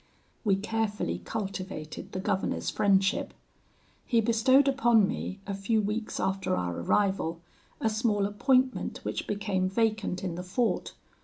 "We carefully cultivated the governor's friendship. He bestowed upon me, a few weeks after our arrival, a small appointment which became vacant in the fort.